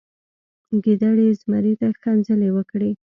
ګیدړې زمري ته ښکنځلې وکړې.